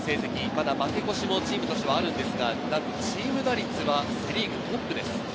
まだ負け越しのチームとしてはあるんですが、チーム打率はセ・リーグトップです。